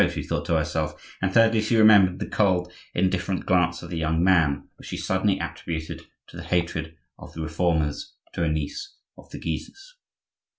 she thought to herself; and thirdly, she remembered the cold, indifferent glance of the young man, which she suddenly attributed to the hatred of the Reformers to a niece of the Guises.